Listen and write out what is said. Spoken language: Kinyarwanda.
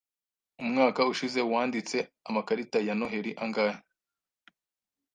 Umwaka ushize wanditse amakarita ya Noheri angahe?